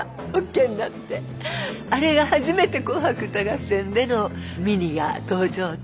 あれが初めて「紅白歌合戦」でのミニが登場という。